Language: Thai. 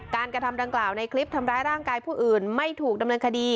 กระทำดังกล่าวในคลิปทำร้ายร่างกายผู้อื่นไม่ถูกดำเนินคดี